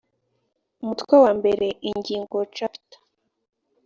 umutwe wa mbere ingingo chapter